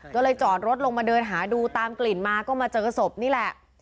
ก็เลยจอดรถลงมาเดินหาดูตามกลิ่นมาก็มาเจอศพนี่แหละ